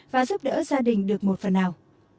và giúp đỡ gia đình được một phần nào